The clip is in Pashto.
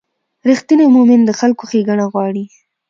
رښتینی مؤمن د خلکو ښېګڼه غواړي.